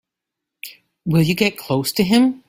Will you get close to him?